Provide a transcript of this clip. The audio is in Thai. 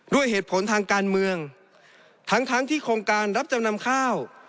ด้วยเหตุผลทางการเมืองทั้งทั้งที่โครงการรับจำนำข้าว